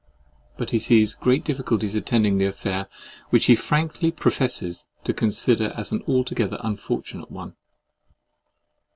But he sees great difficulties attending the affair—which he frankly professes to consider as an altogether unfortunate one.